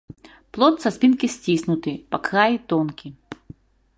Плод са спінкі сціснуты, па краі тонкі.